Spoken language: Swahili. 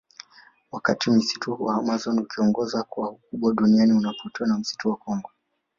Wakati Msitu wa Amazon ukiongoza kwa ukubwa duniani unafuatiwa na msitu wa Kongo